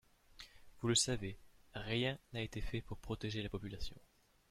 Vous le savez, rien n’a été fait pour protéger la population.